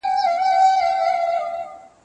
د کلیو ښوونځي د ښارونو د ښوونځیو په څېر نه وو.